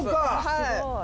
はい